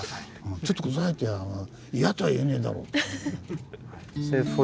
「ちょっと下さいって言やあ嫌とは言えねえだろう」。